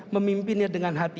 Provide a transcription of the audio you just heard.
memimpinnya dengan hati